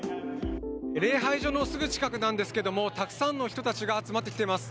礼拝所のすぐ近くなんですけどもたくさんの人たちが集まってきています。